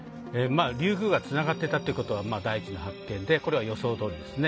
竜宮がつながってたってことは第一の発見でこれは予想どおりですね。